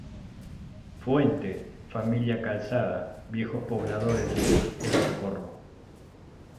Fuente: Familia Calzada, viejos pobladores de El Socorro.